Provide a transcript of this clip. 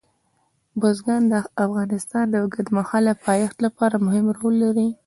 بزګان د افغانستان د اوږدمهاله پایښت لپاره مهم رول لري.